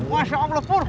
masya allah pur